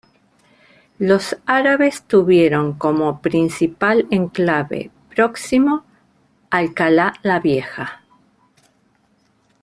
Los árabes tuvieron como principal enclave próximo, Alcalá la Vieja.